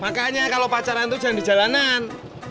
makanya kalau pacaran itu jangan di jalanan